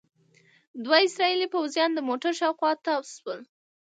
دوه اسرائیلي پوځیان د موټر شاوخوا تاو شول.